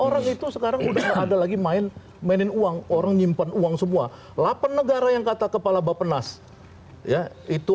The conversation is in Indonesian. main main mainin uang orang nyimpen uang semua lapan negara yang kata kepala bapak penas ya itu